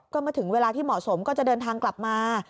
ก็มาถึงเวลาที่เหมาะสมก็จะเดินทางกลับมา